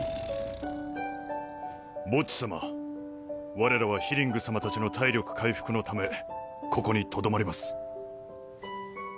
ボッジ様われらはヒリング様たちの体力回復のためここにとどまります。